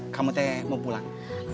kamu mau pulang